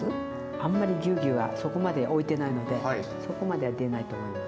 あんまりぎゅうぎゅうはそこまでおいてないのでそこまでは出ないと思います。